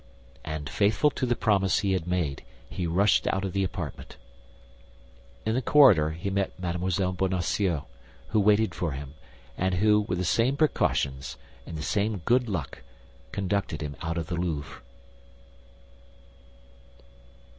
And faithful to the promise he had made, he rushed out of the apartment. In the corridor he met Mme. Bonacieux, who waited for him, and who, with the same precautions and the same good luck, conducted him out of the Louvre.